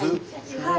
はい。